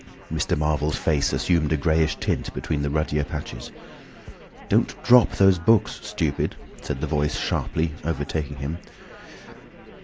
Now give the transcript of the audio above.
Mr. Marvel's face assumed a greyish tint between the ruddier patches. "Don't drop those books, stupid," said the Voice, sharply—overtaking him.